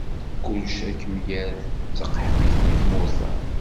Kullec ad kem-yerr d taqaḥbit deg tmurt-a.